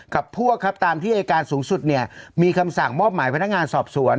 กับพวกครับตามที่อายการสูงสุดเนี่ยมีคำสั่งมอบหมายพนักงานสอบสวน